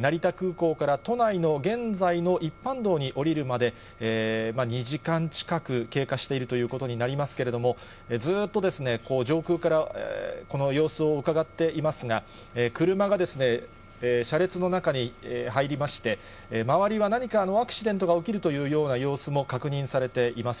成田空港から都内の現在の一般道に下りるまで、２時間近く経過しているということになりますけれども、ずーっと上空からこの様子をうかがっていますが、車がですね、車列の中に入りまして、周りは何かアクシデントが起きるというような様子も確認されていません。